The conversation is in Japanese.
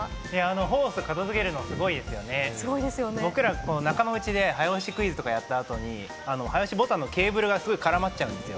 ホース片付けるのすごいですよね、僕ら仲間内で早押しクイズなどやった後で、ボタンのケーブルがすごい絡まっちゃうんですよ。